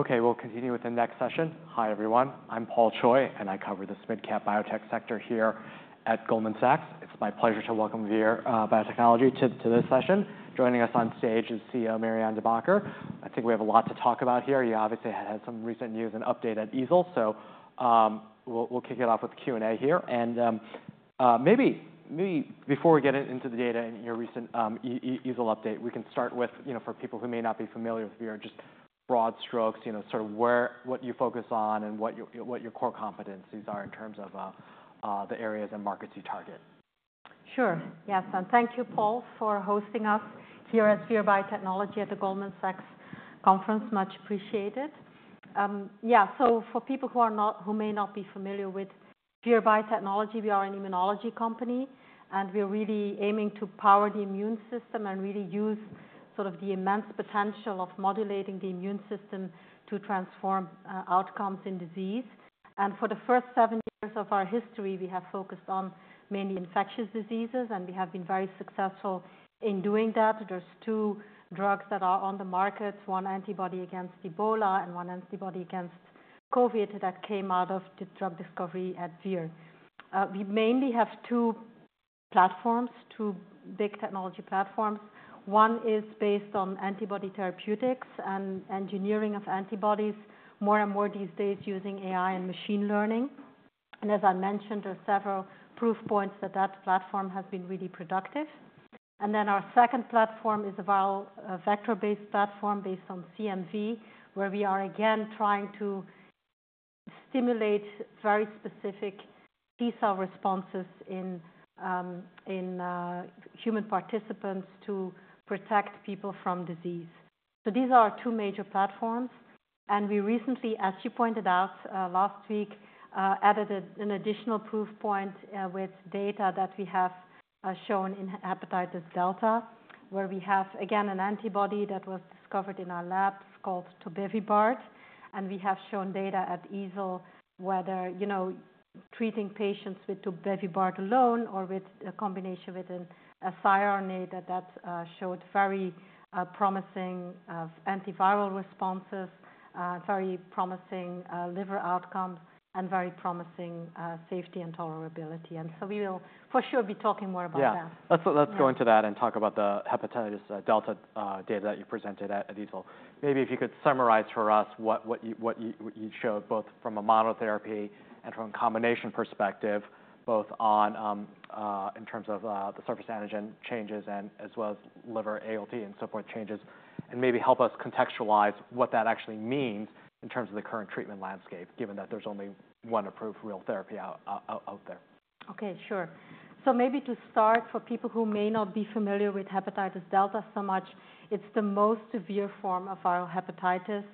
Okay, we'll continue with the next session. Hi, everyone. I'm Paul Choi, and I cover this mid-cap biotech sector here at Goldman Sachs. It's my pleasure to welcome Vir Biotechnology to this session. Joining us on stage is CEO Marianne De Backer. I think we have a lot to talk about here. You obviously had some recent news and update at EASL, so we'll kick it off with Q&A here. And maybe before we get into the data and your recent EASL update, we can start with, you know, for people who may not be familiar with Vir, just broad strokes, you know, sort of where—what you focus on and what your core competencies are in terms of the areas and markets you target. Sure. Yes, and thank you, Paul, for hosting us here at Vir Biotechnology at the Goldman Sachs conference. Much appreciated. Yeah, so for people who may not be familiar with Vir Biotechnology, we are an immunology company, and we're really aiming to power the immune system and really use sort of the immense potential of modulating the immune system to transform outcomes in disease. For the first seven years of our history, we have focused on mainly infectious diseases, and we have been very successful in doing that. There's two drugs that are on the market, one antibody against Ebola and one antibody against COVID, that came out of the drug discovery at Vir. We mainly have two platforms, two big technology platforms. One is based on antibody therapeutics and engineering of antibodies, more and more these days, using AI and machine learning. As I mentioned, there are several proof points that that platform has been really productive. Then our second platform is a viral vector-based platform based on CMV, where we are again trying to stimulate very specific T cell responses in human participants to protect people from disease. So these are our two major platforms, and we recently, as you pointed out, last week, added an additional proof point with data that we have shown in hepatitis delta, where we have, again, an antibody that was discovered in our labs called Tobevibart. And we have shown data at EASL, where, you know, treating patients with tobevibart alone or with a combination with an RNA that showed very promising antiviral responses, very promising liver outcomes, and very promising safety and tolerability. We will for sure be talking more about that. Yeah. Let's go into that and talk about the hepatitis delta data that you presented at EASL. Maybe if you could summarize for us what you showed, both from a monotherapy and from a combination perspective, both on in terms of the surface antigen changes and as well as liver ALT and so forth changes, and maybe help us contextualize what that actually means in terms of the current treatment landscape, given that there's only one approved real therapy out there. Okay, sure. So maybe to start, for people who may not be familiar with Hepatitis Delta so much, it's the most severe form of viral hepatitis.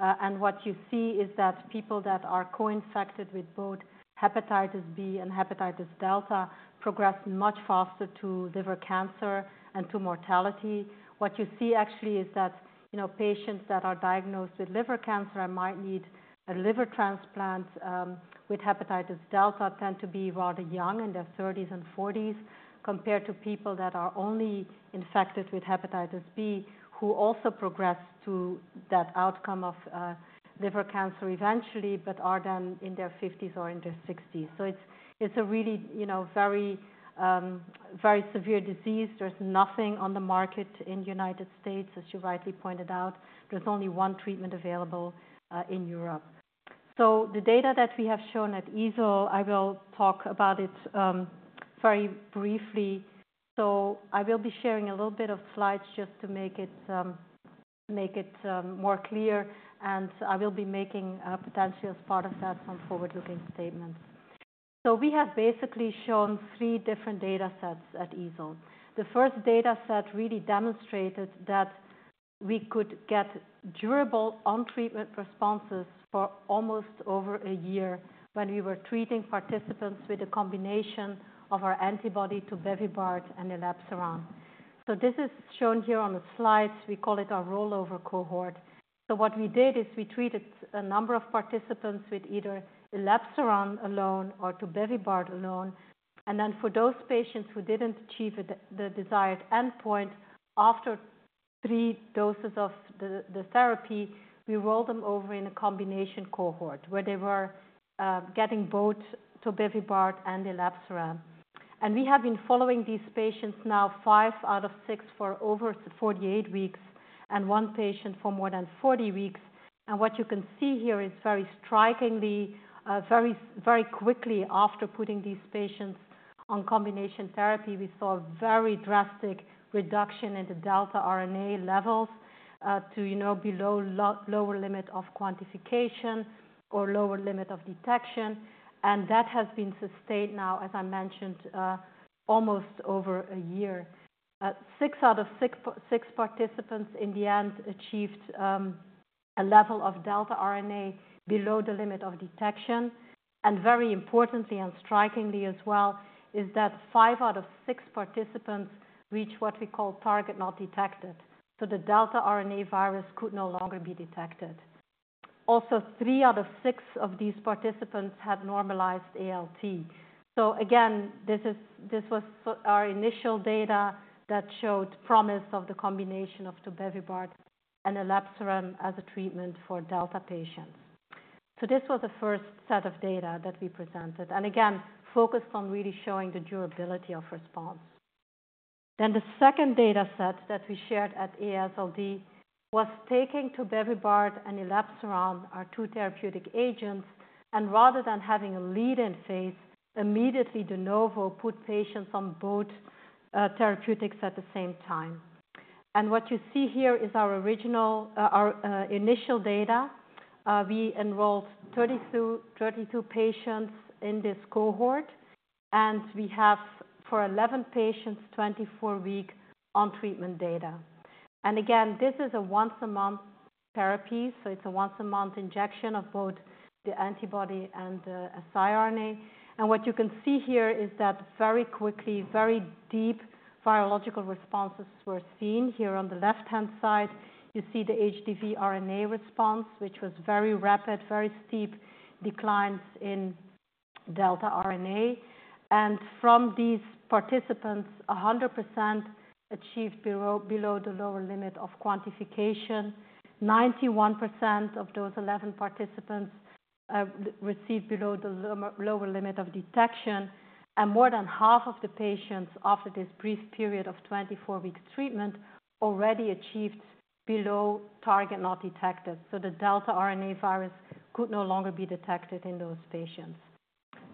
And what you see is that people that are co-infected with both Hepatitis B and Hepatitis Delta progress much faster to liver cancer and to mortality. What you see actually is that, you know, patients that are diagnosed with liver cancer and might need a liver transplant, with Hepatitis Delta tend to be rather young, in their thirties and forties, compared to people that are only infected with Hepatitis B, who also progress to that outcome of, liver cancer eventually, but are then in their fifties or in their sixties. So it's, it's a really, you know, very, very severe disease. There's nothing on the market in the United States, as you rightly pointed out. There's only one treatment available in Europe. So the data that we have shown at EASL, I will talk about it very briefly. So I will be sharing a little bit of slides just to make it more clear, and I will be making potentially as part of that, some forward-looking statements. So we have basically shown three different data sets at EASL. The first data set really demonstrated that we could get durable on-treatment responses for almost over a year when we were treating participants with a combination of our antibody, Tobevibart and Elebsiran. So this is shown here on the slides. We call it our rollover cohort. So what we did is we treated a number of participants with either Elebsiran alone or Tobevibart alone. And then for those patients who didn't achieve the desired endpoint, after three doses of the therapy, we rolled them over in a combination cohort where they were getting both Tobevibart and Elebsiran. And we have been following these patients now, 5 out of 6, for over 48 weeks and one patient for more than 40 weeks. And what you can see here is very strikingly, very, very quickly after putting these patients on combination therapy, we saw a very drastic reduction in the delta RNA levels to, you know, below lower limit of quantification or lower limit of detection. And that has been sustained now, as I mentioned, almost over a year. Six out of 6, 6 participants in the end achieved a level of delta RNA below the limit of detection. Very importantly and strikingly as well, is that five out of six participants reached what we call target not detected. So the delta RNA virus could no longer be detected. Also, three out of six of these participants had normalized ALT. So again, this is... This was so our initial data that showed promise of the combination of Tobevibart and Elebsiran as a treatment for delta patients.... So this was the first set of data that we presented, and again, focused on really showing the durability of response. Then the second data set that we shared at EASL was taking Tobevibart and Elebsiran, our two therapeutic agents, and rather than having a lead-in phase, immediately de novo put patients on both therapeutics at the same time. And what you see here is our original, our initial data. We enrolled 32, 32 patients in this cohort, and we have for 11 patients, 24-week on-treatment data. And again, this is a once-a-month therapy, so it's a once-a-month injection of both the antibody and the siRNA. And what you can see here is that very quickly, very deep virological responses were seen here on the left-hand side. You see the HDV RNA response, which was very rapid, very steep declines in delta RNA. And from these participants, 100% achieved below, below the lower limit of quantification. 91% of those 11 participants received below the lower, lower limit of detection, and more than half of the patients, after this brief period of 24-week treatment, already achieved below target not detected. So the delta RNA virus could no longer be detected in those patients.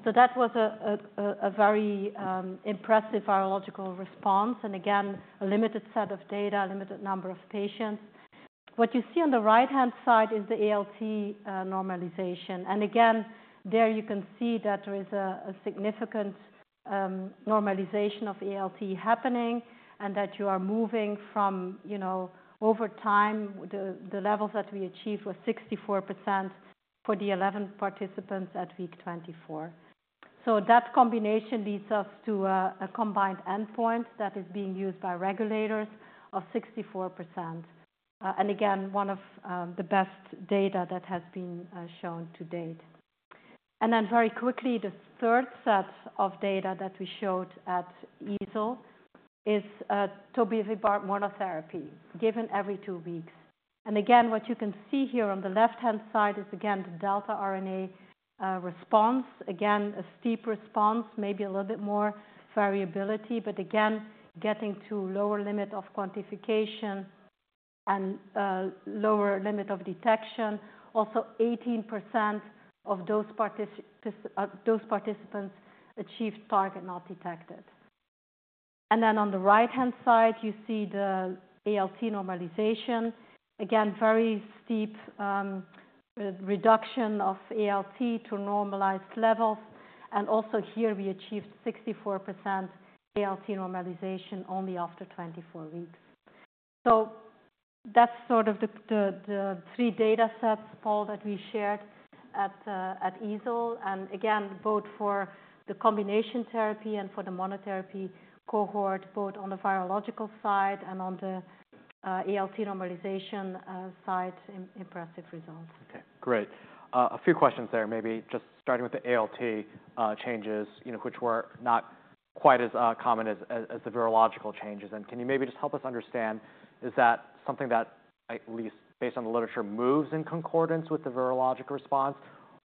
So that was a very impressive virological response and again, a limited set of data, a limited number of patients. What you see on the right-hand side is the ALT normalization. And again, there you can see that there is a significant normalization of ALT happening and that you are moving from, you know, over time, the levels that we achieved were 64% for the 11 participants at week 24. So that combination leads us to a combined endpoint that is being used by regulators of 64%. And again, one of the best data that has been shown to date. And then very quickly, the third set of data that we showed at EASL is Tobevibart monotherapy, given every 2 weeks. And again, what you can see here on the left-hand side is again, the delta RNA response. Again, a steep response, maybe a little bit more variability, but again, getting to lower limit of quantification and lower limit of detection. Also, 18% of those participants achieved target not detected. And then on the right-hand side, you see the ALT normalization. Again, very steep reduction of ALT to normalized levels. And also here, we achieved 64% ALT normalization only after 24 weeks. So that's sort of the three data sets, Paul, that we shared at EASL. And again, both for the combination therapy and for the monotherapy cohort, both on the virological side and on the ALT normalization side, impressive results. Okay, great. A few questions there, maybe just starting with the ALT changes, you know, which were not quite as common as the virological changes. Can you maybe just help us understand, is that something that, at least based on the literature, moves in concordance with the virologic response?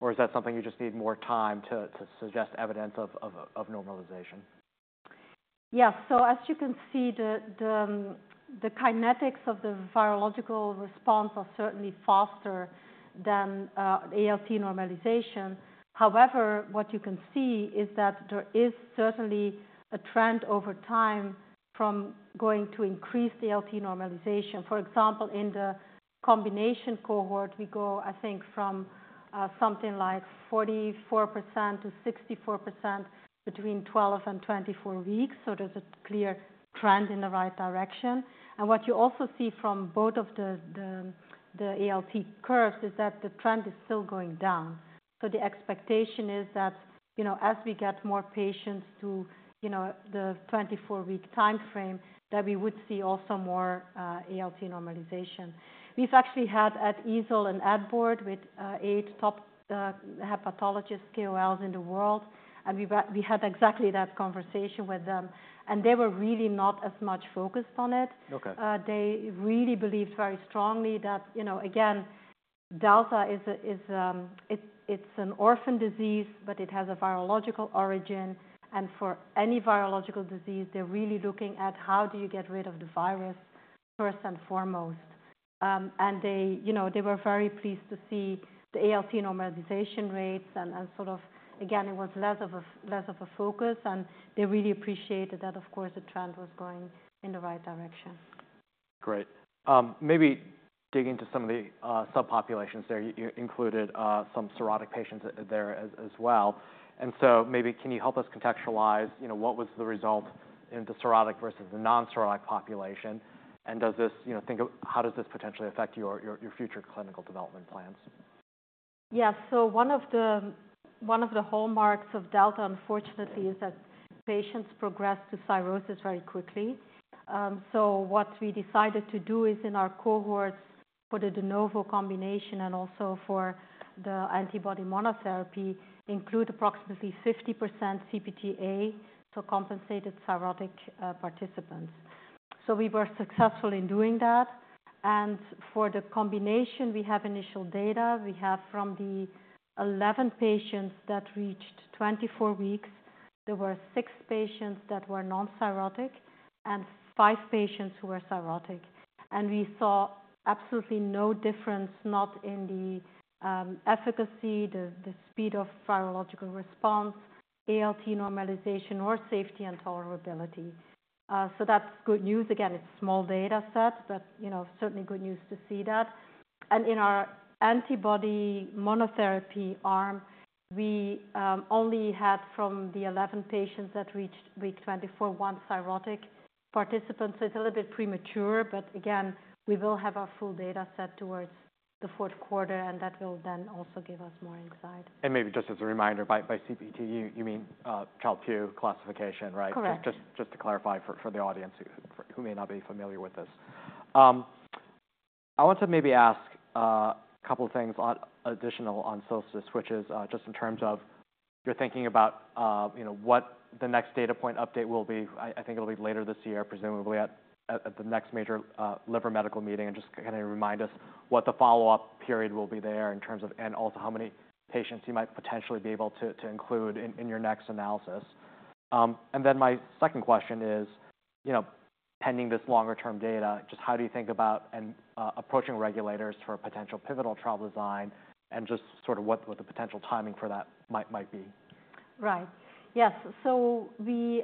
Or is that something you just need more time to suggest evidence of normalization? Yeah. So as you can see, the kinetics of the virological response are certainly faster than ALT normalization. However, what you can see is that there is certainly a trend over time from going to increase ALT normalization. For example, in the combination cohort, we go, I think, from something like 44% to 64% between 12 and 24 weeks. So there's a clear trend in the right direction. And what you also see from both of the ALT curves is that the trend is still going down. So the expectation is that, you know, as we get more patients to, you know, the 24-week time frame, that we would see also more ALT normalization. We've actually had at EASL, an ad board with eight top hepatologists, KOLs in the world, and we've had... We had exactly that conversation with them, and they were really not as much focused on it. Okay. They really believed very strongly that, you know, again, delta is a, it's an orphan disease, but it has a virological origin, and for any virological disease, they're really looking at how do you get rid of the virus first and foremost. And they, you know, they were very pleased to see the ALT normalization rates and sort of, again, it was less of a focus, and they really appreciated that, of course, the trend was going in the right direction. Great. Maybe dig into some of the subpopulations there. You included some cirrhotic patients there as well. Maybe can you help us contextualize, you know, what was the result in the cirrhotic versus the non-cirrhotic population? Does this, you know, think of how does this potentially affect your future clinical development plans? Yes. So one of the hallmarks of delta, unfortunately, is that patients progress to cirrhosis very quickly. So what we decided to do is in our cohorts for the de novo combination and also for the antibody monotherapy, include approximately 50% CPT A, so compensated cirrhotic participants. So we were successful in doing that. And for the combination, we have initial data. We have from the 11 patients that reached 24 weeks, there were 6 patients that were non-cirrhotic and 5 patients who were cirrhotic. And we saw absolutely no difference, not in the efficacy, the speed of virological response, ALT normalization, or safety and tolerability. So that's good news. Again, it's small data set, but, you know, certainly good news to see that. In our antibody monotherapy arm, we only had from the 11 patients that reached week 24, one cirrhotic participant. So it's a little bit premature, but again, we will have our full data set towards the fourth quarter, and that will then also give us more insight. Maybe just as a reminder, by CPT, you mean Child-Pugh classification, right? Correct. Just to clarify for the audience who may not be familiar with this. I want to maybe ask a couple things on additional on SOLSTICE, which is just in terms of your thinking about, you know, what the next data point update will be. I think it'll be later this year, presumably at the next major liver medical meeting. Just kinda remind us what the follow-up period will be there in terms of and also how many patients you might potentially be able to include in your next analysis. And then my second question is, you know, pending this longer-term data, just how do you think about and approaching regulators for a potential pivotal trial design, and just sort of what the potential timing for that might be? Right. Yes. So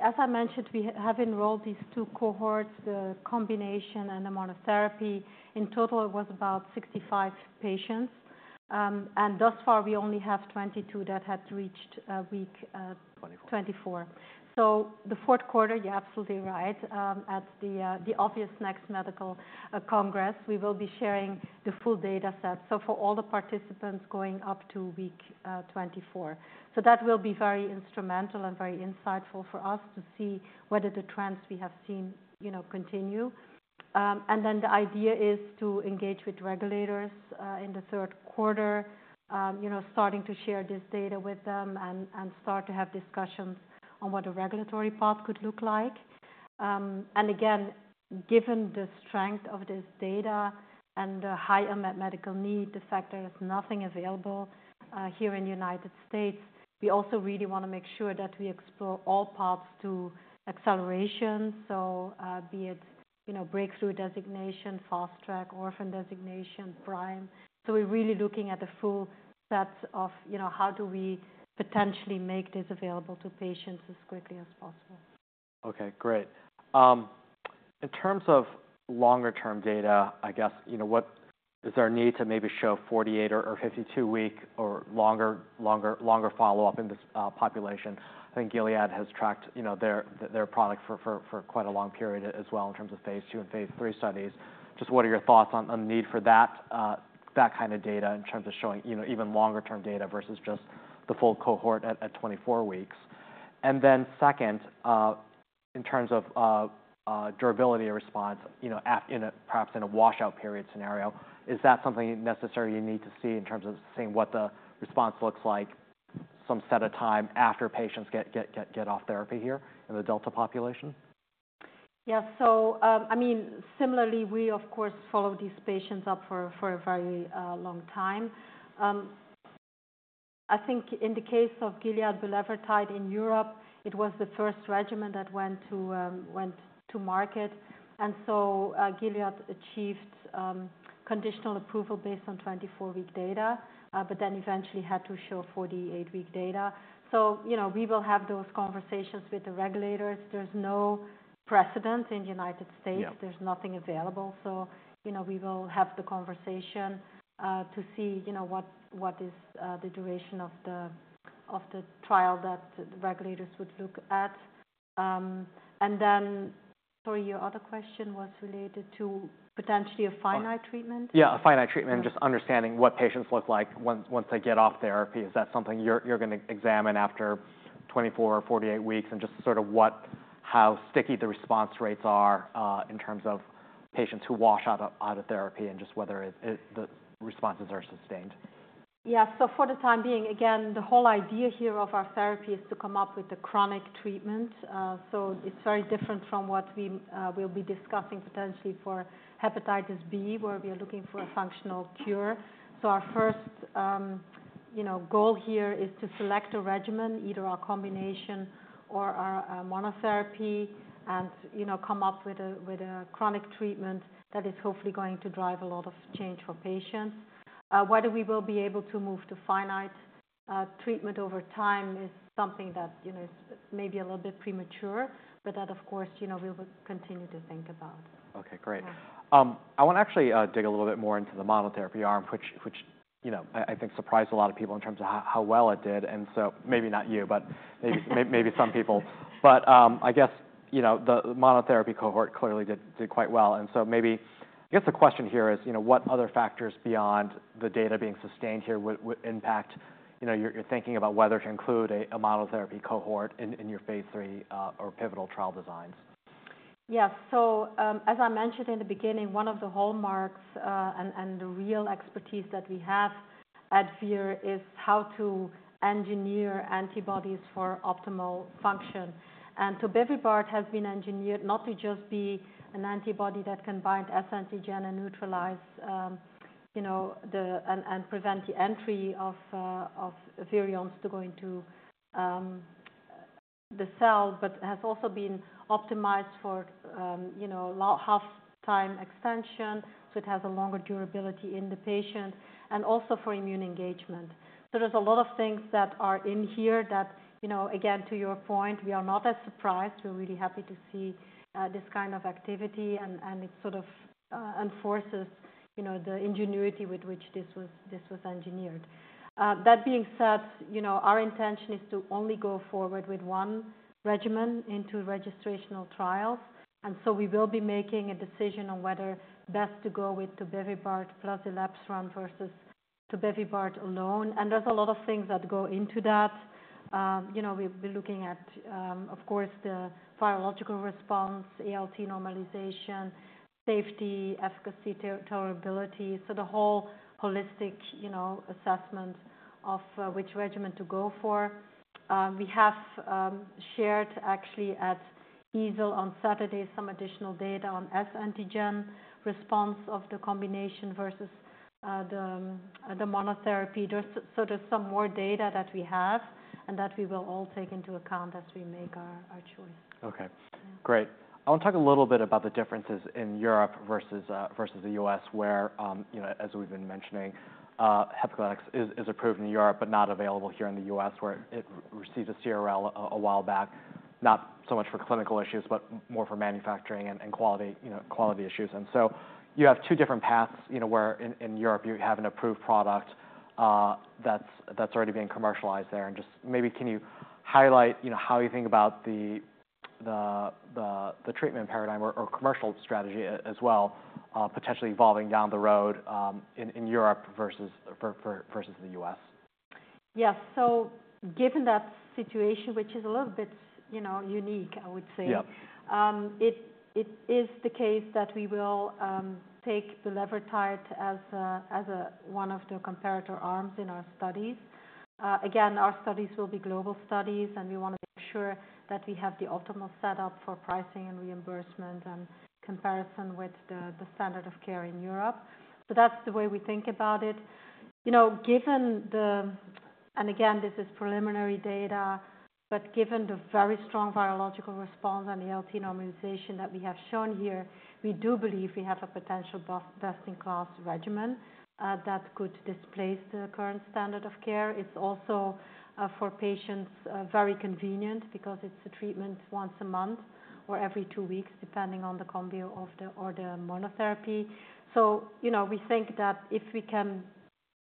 as I mentioned, we have enrolled these two cohorts, the combination and the monotherapy. In total, it was about 65 patients, and thus far, we only have 22 that have reached week. Twenty-four... 24. So the fourth quarter, you're absolutely right. At the obvious next medical congress, we will be sharing the full data set, so for all the participants going up to week 24. So that will be very instrumental and very insightful for us to see whether the trends we have seen, you know, continue. And then the idea is to engage with regulators in the third quarter, you know, starting to share this data with them and start to have discussions on what the regulatory path could look like. And again, given the strength of this data and the high medical need, the fact there is nothing available here in the United States, we also really want to make sure that we explore all paths to acceleration. Be it, you know, breakthrough designation, fast track, orphan designation, PRIME. So we're really looking at the full set of, you know, how do we potentially make this available to patients as quickly as possible. Okay, great. In terms of longer-term data, I guess, you know, what... Is there a need to maybe show 48 or, or 52 week or longer, longer, longer follow-up in this population? I think Gilead has tracked, you know, their, their product for, for, for quite a long period as well, in terms of phase II and phase III studies. Just what are your thoughts on, on the need for that, that kind of data in terms of showing, you know, even longer-term data versus just the full cohort at, at 24 weeks? And then second, in terms of durability or response, you know, in a perhaps in a washout period scenario, is that something necessary you need to see in terms of seeing what the response looks like some set of time after patients get off therapy here in the delta population? Yeah. So, I mean, similarly, we of course follow these patients up for a very long time. I think in the case of Gilead Bulevirtide in Europe, it was the first regimen that went to market. And so, Gilead achieved conditional approval based on 24-week data, but then eventually had to show 48-week data. So, you know, we will have those conversations with the regulators. There's no precedent in the United States. Yeah. There's nothing available. So, you know, we will have the conversation to see, you know, what, what is the duration of the, of the trial that the regulators would look at. And then, sorry, your other question was related to potentially a finite treatment? Yeah, a finite treatment- Yeah. and just understanding what patients look like once they get off therapy. Is that something you're gonna examine after 24 or 48 weeks? And just sort of what—how sticky the response rates are, in terms of patients who wash out of therapy, and just whether it, the responses are sustained. Yeah. So for the time being, again, the whole idea here of our therapy is to come up with a chronic treatment. So it's very different from what we will be discussing potentially for Hepatitis B, where we are looking for a functional cure. So our first, you know, goal here is to select a regimen, either our combination or our monotherapy, and, you know, come up with a chronic treatment that is hopefully going to drive a lot of change for patients. Whether we will be able to move to finite treatment over time is something that, you know, is maybe a little bit premature, but that, of course, you know, we will continue to think about. Okay, great. Yeah. I want to actually dig a little bit more into the monotherapy arm, which, you know, I think surprised a lot of people in terms of how well it did, and so maybe not you, but maybe some people. But, I guess, you know, the monotherapy cohort clearly did quite well. And so maybe I guess the question here is, you know, what other factors beyond the data being sustained here would impact, you know, you're thinking about whether to include a monotherapy cohort in your Phase III or pivotal trial designs? Yes. So, as I mentioned in the beginning, one of the hallmarks, and the real expertise that we have at Vir is how to engineer antibodies for optimal function. And Tobevibart has been engineered not to just be an antibody that can bind HBsAg and neutralize, you know, the and prevent the entry of, of virions to go into the cell, but has also been optimized for, you know, half-life extension, so it has a longer durability in the patient, and also for immune engagement. So there's a lot of things that are in here that, you know, again, to your point, we are not as surprised. We're really happy to see this kind of activity, and it sort of reinforces, you know, the ingenuity with which this was engineered. That being said, you know, our intention is to only go forward with one regimen into registrational trials, and so we will be making a decision on whether best to go with Tobevibart plus Elebsiran versus Tobevibart alone. And there's a lot of things that go into that. You know, we'll be looking at, of course, the virological response, ALT normalization, safety, efficacy, tolerability. So the whole holistic, you know, assessment of, which regimen to go for. We have shared actually at EASL on Saturday, some additional data on S-antigen response of the combination versus, the, the monotherapy. So there's some more data that we have and that we will all take into account as we make our choice. Okay, great. I want to talk a little bit about the differences in Europe versus the US, where you know, as we've been mentioning, Hepcludex is approved in Europe, but not available here in the US, where it received a CRL a while back. Not so much for clinical issues, but more for manufacturing and quality, you know, quality issues. So you have two different paths, you know, where in Europe, you have an approved product that's already being commercialized there. And just maybe, can you highlight, you know, how you think about the treatment paradigm or commercial strategy as well, potentially evolving down the road, in Europe versus the US? Yes. So given that situation, which is a little bit, you know, unique, I would say- Yeah. It is the case that we will take the bulevirtide as one of the comparator arms in our studies. Again, our studies will be global studies, and we wanna make sure that we have the optimal setup for pricing and reimbursement and comparison with the standard of care in Europe. So that's the way we think about it. You know, given the... And again, this is preliminary data, but given the very strong virological response and the ALT normalization that we have shown here, we do believe we have a potential best-in-class regimen that could displace the current standard of care. It's also for patients very convenient because it's a treatment once a month or every two weeks, depending on the combo or the monotherapy. So, you know, we think that if we can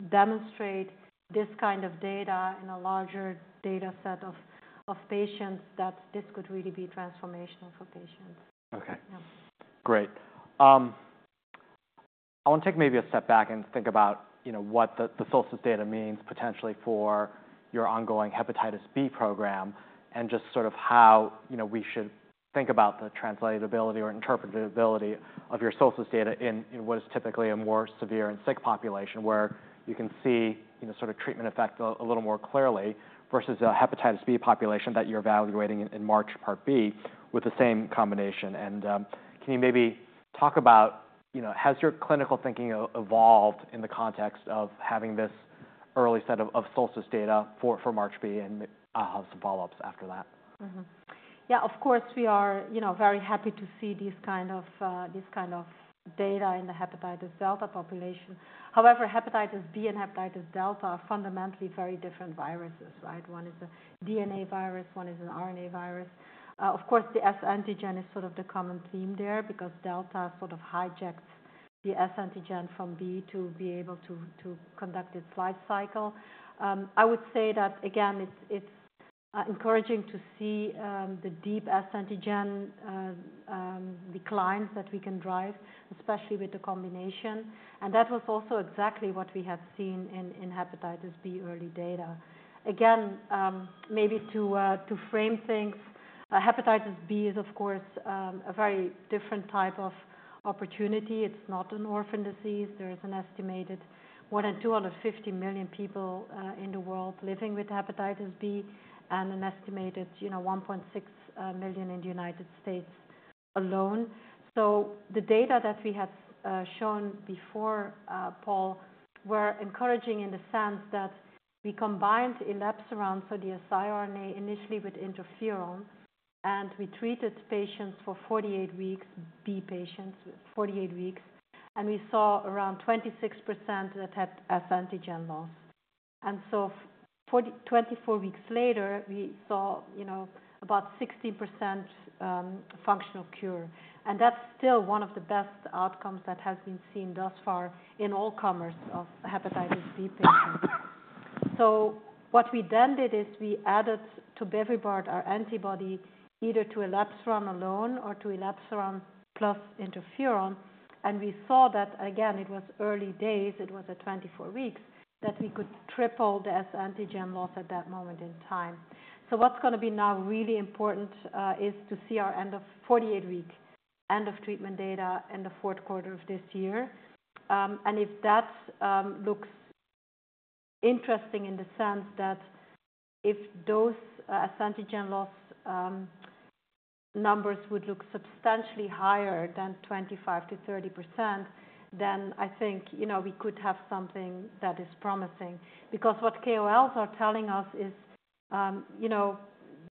demonstrate this kind of data in a larger data set of patients, that this could really be transformational for patients. Okay. Yeah. Great. I want to take maybe a step back and think about, you know, what the SOLSTICE data means potentially for your ongoing hepatitis B program, and just sort of how, you know, we should think about the translatability or interpretability of your SOLSTICE data in what is typically a more severe and sick population, where you can see, you know, sort of treatment effect a little more clearly, versus a hepatitis B population that you're evaluating in MARCH, part B, with the same combination. And, can you maybe talk about, you know, has your clinical thinking evolved in the context of having this early set of SOLSTICE data for MARCH B and I'll have some follow-ups after that? Mm-hmm. Yeah, of course, we are, you know, very happy to see these kind of data in the hepatitis delta population. However, hepatitis B and hepatitis delta are fundamentally very different viruses, right? One is a DNA virus, one is an RNA virus. Of course, the S-antigen is sort of the common theme there because delta sort of hijacks the S-antigen from B to be able to conduct its life cycle. I would say that, again, it's encouraging to see the deep S-antigen declines that we can drive, especially with the combination. And that was also exactly what we have seen in hepatitis B early data. Again, maybe to frame things, hepatitis B is, of course, a very different type of opportunity. It's not an orphan disease. There is an estimated one in two out of 50 million people in the world living with hepatitis B, and an estimated, you know, 1.6 million in the United States alone. So the data that we have shown before, Paul, were encouraging in the sense that we combined Elebsiran, so the siRNA, initially with interferon, and we treated patients for 48 weeks, B patients, 48 weeks, and we saw around 26% that had S antigen loss. And so 24 weeks later, we saw, you know, about 16%, functional cure. And that's still one of the best outcomes that has been seen thus far in all comers of hepatitis B patients. So what we then did is we added Tobevibart, our antibody, either to Elebsiran alone or to Elebsiran plus Interferon, and we saw that again, it was early days, it was at 24 weeks, that we could triple the S antigen loss at that moment in time. So what's gonna be now really important is to see our end of 48-week, end of treatment data in the fourth quarter of this year. And if that looks interesting in the sense that if those antigen loss numbers would look substantially higher than 25%-30%, then I think, you know, we could have something that is promising. Because what KOLs are telling us is, you know,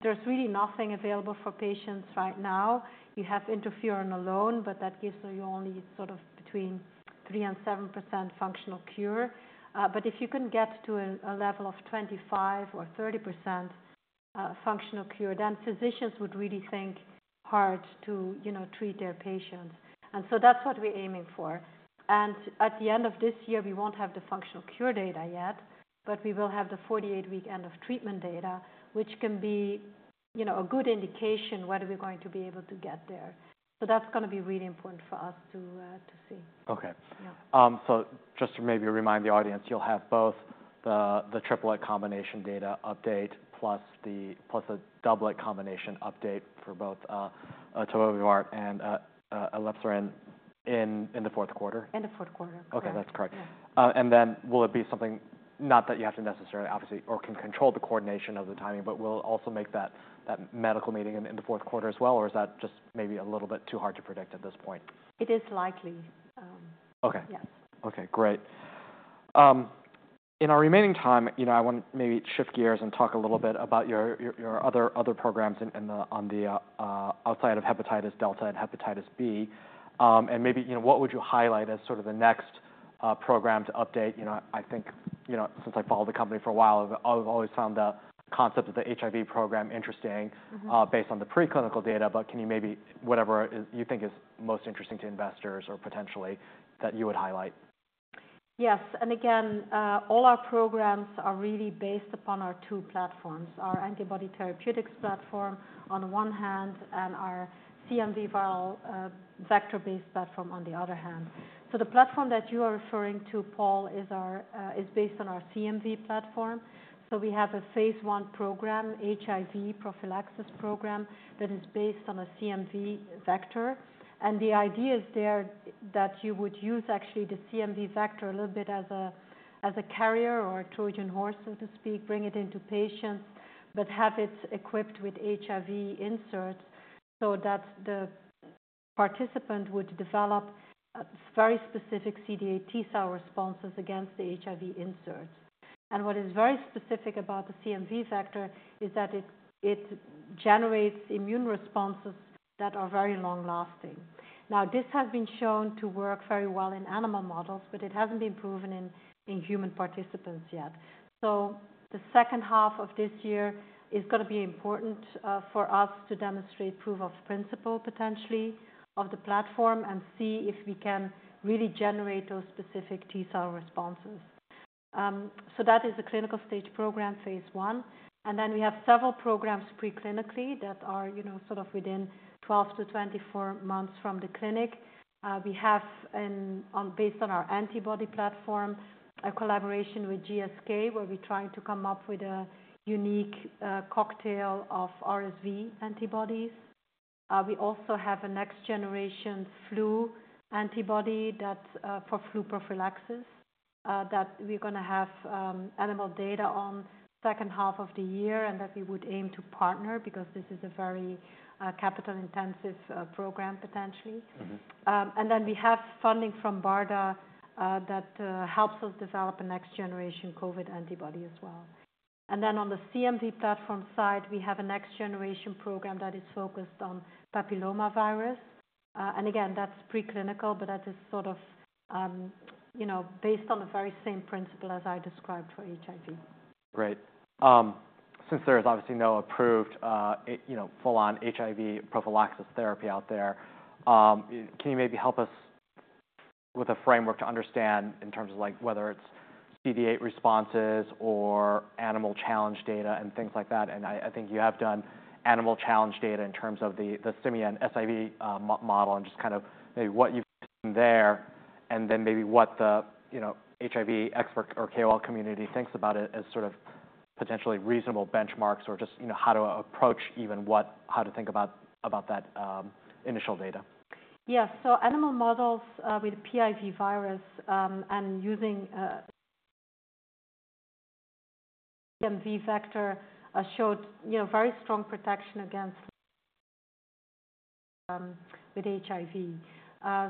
there's really nothing available for patients right now. You have interferon alone, but that gives you only sort of between 3%-7% functional cure. But if you can get to a level of 25% or 30% functional cure, then physicians would really think hard to, you know, treat their patients. And so that's what we're aiming for. And at the end of this year, we won't have the functional cure data yet, but we will have the 48-week end of treatment data, which can be, you know, a good indication whether we're going to be able to get there. So that's gonna be really important for us to see. Okay. Yeah. So just to maybe remind the audience, you'll have both the triple-like combination data update, plus a double-like combination update for both Tobevibart and Elebsiran in the fourth quarter? End of fourth quarter. Okay, that's correct. Yeah. And then will it be something, not that you have to necessarily, obviously, or can control the coordination of the timing, but we'll also make that, that medical meeting in, in the fourth quarter as well, or is that just maybe a little bit too hard to predict at this point? It is likely. Okay. Yes. Okay, great. In our remaining time, you know, I want to maybe shift gears and talk a little bit about your other programs outside of hepatitis delta and hepatitis B. Maybe, you know, what would you highlight as sort of the next program to update? You know, I think, you know, since I followed the company for a while, I've always found the concept of the HIV program interesting- Mm-hmm. Based on the preclinical data, but can you maybe, whatever is you think is most interesting to investors or potentially that you would highlight? Yes. And again, all our programs are really based upon our two platforms, our antibody therapeutics platform on one hand, and our CMV viral vector-based platform, on the other hand. So the platform that you are referring to, Paul, is based on our CMV platform. So we have a phase 1 program, HIV prophylaxis program, that is based on a CMV vector. And the idea is there that you would use actually the CMV vector a little bit as a carrier or a Trojan horse, so to speak, bring it into patients, but have it equipped with HIV insert, so that the participant would develop a very specific CD8 T cell responses against the HIV insert. And what is very specific about the CMV vector is that it generates immune responses that are very long lasting. Now, this has been shown to work very well in animal models, but it hasn't been proven in human participants yet. So the second half of this year is gonna be important for us to demonstrate proof of principle, potentially, of the platform and see if we can really generate those specific T cell responses. So that is a clinical stage program, phase 1, and then we have several programs preclinically, that are, you know, sort of within 12-24 months from the clinic. We have based on our antibody platform, a collaboration with GSK, where we're trying to come up with a unique cocktail of RSV antibodies. We also have a next generation flu antibody that's for flu prophylaxis that we're gonna have animal data on second half of the year, and that we would aim to partner because this is a very capital intensive program, potentially. Mm-hmm. And then we have funding from BARDA, that helps us develop a next generation COVID antibody as well. And then on the CMV platform side, we have a next generation program that is focused on papillomavirus. And again, that's preclinical, but that is sort of, you know, based on the very same principle as I described for HIV. Great. Since there is obviously no approved, you know, full on HIV prophylaxis therapy out there, can you maybe help us with a framework to understand in terms of like, whether it's CD8 responses or animal challenge data and things like that? And I think you have done animal challenge data in terms of the simian SIV model and just kind of maybe what you've seen there, and then maybe what the, you know, HIV expert or KOL community thinks about it as sort of potentially reasonable benchmarks or just, you know, how to approach even how to think about that initial data? Yes. So animal models with the PIB virus and using CMV vector showed, you know, very strong protection against with HIV.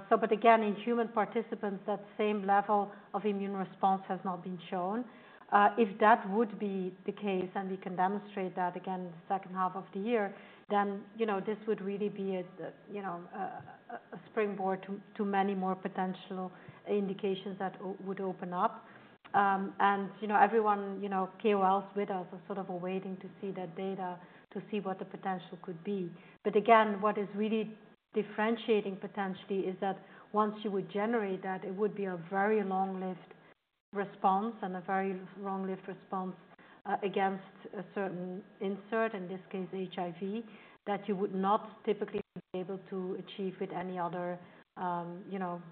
So but again, in human participants, that same level of immune response has not been shown. If that would be the case and we can demonstrate that again in the second half of the year, then, you know, this would really be a, you know, a springboard to to many more potential indications that would open up. And, you know, everyone, you know, KOLs with us are sort of waiting to see that data, to see what the potential could be. But again, what is really differentiating potentially is that once you would generate that, it would be a very long-lived response and a very long-lived response against a certain insert, in this case, HIV, that you would not typically be able to achieve with any other, you know,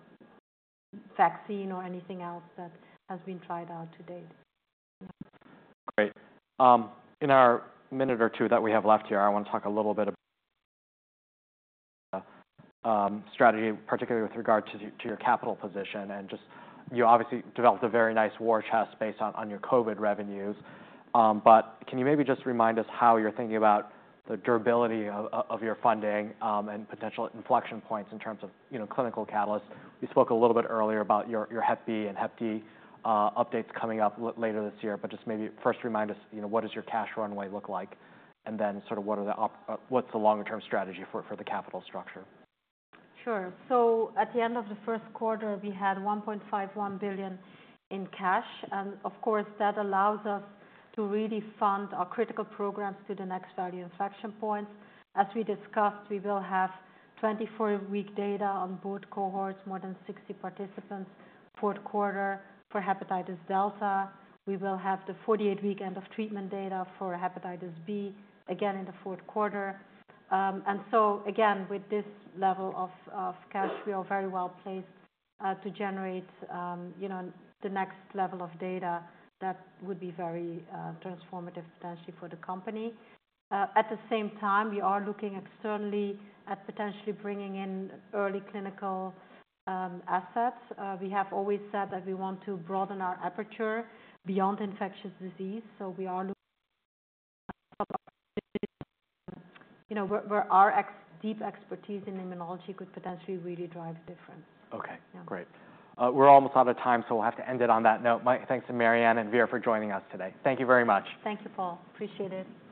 vaccine or anything else that has been tried out to date. Great. In our minute or two that we have left here, I want to talk a little bit about strategy, particularly with regard to to your capital position. And just... You obviously developed a very nice war chest based on your COVID revenues. But can you maybe just remind us how you're thinking about the durability of your funding and potential inflection points in terms of, you know, clinical catalysts? We spoke a little bit earlier about your hep B and hep D updates coming up later this year, but just maybe first remind us, you know, what does your cash runway look like? And then sort of what's the longer term strategy for the capital structure? Sure. So at the end of the first quarter, we had $1.51 billion in cash. And of course, that allows us to really fund our critical programs to the next value inflection points. As we discussed, we will have 24-week data on both cohorts, more than 60 participants, fourth quarter for hepatitis delta. We will have the 48-week end of treatment data for hepatitis B, again in the fourth quarter. And so again, with this level of, of cash, we are very well placed, to generate, you know, the next level of data that would be very, transformative potentially for the company. At the same time, we are looking externally at potentially bringing in early clinical, assets. We have always said that we want to broaden our aperture beyond infectious disease, so we are looking, you know, where our deep expertise in immunology could potentially really drive difference. Okay. Yeah. Great. We're almost out of time, so we'll have to end it on that note. My thanks to Marianne and Vir for joining us today. Thank you very much. Thank you, Paul. Appreciate it.